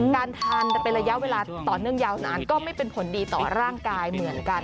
การทานเป็นระยะเวลาต่อเนื่องยาวนานก็ไม่เป็นผลดีต่อร่างกายเหมือนกัน